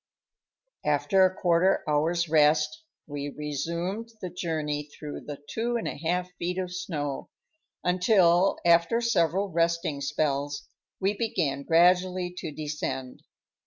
After a quarter hour's rest, we resumed the journey through the two and a half feet of snow, until, after several resting spells, we began gradually to descend.